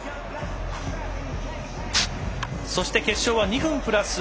そして決勝は２分プラス